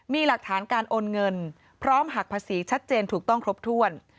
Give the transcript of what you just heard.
มีหลักฐานการโอนเงินพร้อมหักภาษีชัดเจนถูกต้องครบถ้วน